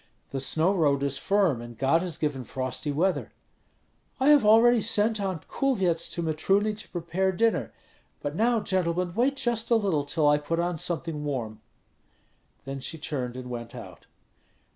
The snow road is firm, and God has given frosty weather." "I have already sent Aunt Kulvyets to Mitruny to prepare dinner. But now, gentlemen, wait just a little till I put on something warm." Then she turned and went out.